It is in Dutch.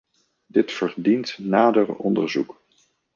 Dit verdient nader onderzoek.